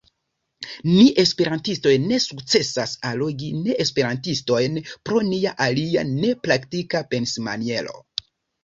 Ni esperantistoj ne sukcesas allogi neesperantistojn pro nia alia, nepraktika pensmaniero.